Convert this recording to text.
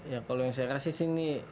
ya kalau yang saya rasa sih ini